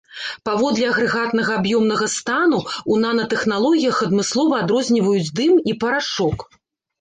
Паводле агрэгатнага аб'ёмнага стану, у нанатэхналогіях адмыслова адрозніваюць дым і парашок.